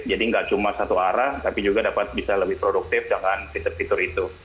jadi nggak cuma satu arah tapi juga dapat bisa lebih produktif dengan fitur fitur itu